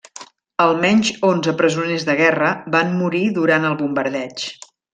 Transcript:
Almenys onze presoners de guerra van morir durant el bombardeig.